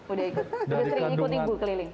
udah ikut ikutin bu keliling